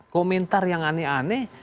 komentar yang aneh aneh